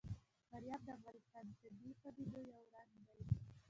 فاریاب د افغانستان د طبیعي پدیدو یو رنګ دی.